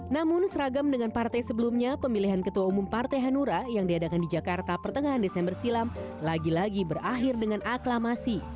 namun seragam dengan partai sebelumnya pemilihan ketua umum partai hanura yang diadakan di jakarta pertengahan desember silam lagi lagi berakhir dengan aklamasi